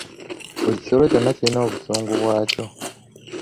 Buli kisolo kyonna kiyina obusungu bwakyo.